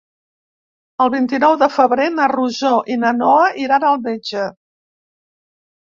El vint-i-nou de febrer na Rosó i na Noa iran al metge.